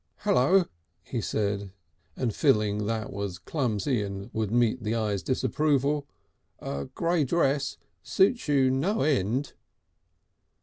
"Hullo!" he said, and feeling that was clumsy and would meet the eye's disapproval: "Grey dress suits you no end."